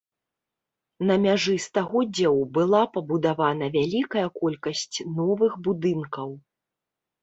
На мяжы стагоддзяў была пабудавана вялікая колькасць новых будынкаў.